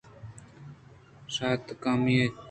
شاتکامی اَت